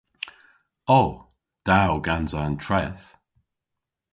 O. Da o gansa an treth!